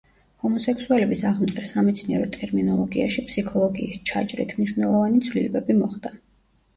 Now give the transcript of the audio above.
ჰომოსექსუალების აღმწერ სამეცნიერო ტერმინოლოგიაში ფსიქოლოგიის ჩაჭრით მნიშვნელოვანი ცვლილებები მოხდა.